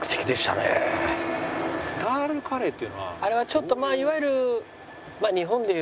あれはちょっとまあいわゆる。